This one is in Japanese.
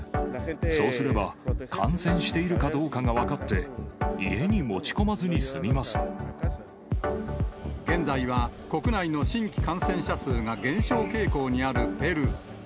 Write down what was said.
そうすれば、感染しているかどうかが分かって、現在は、国内の新規感染者数が減少傾向にあるペルー。